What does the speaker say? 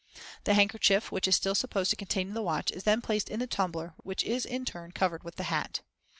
The handkerchief, which is still supposed to contain the watch, is then placed in the tumbler, which is in turn covered with the hat.